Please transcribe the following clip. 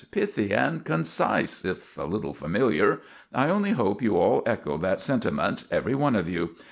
Pithy and concise if a little familiar. I only hope you all echo that sentiment every one of you.